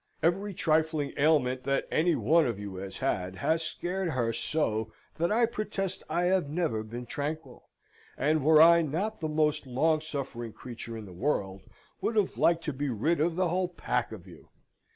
Every trifling ailment that any one of you has had, has scared her so that I protest I have never been tranquil; and, were I not the most long suffering creature in the world, would have liked to be rid of the whole pack of you.